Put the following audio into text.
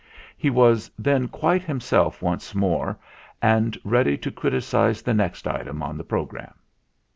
He was then quite himself once more and ready to criticise the next item on the programme.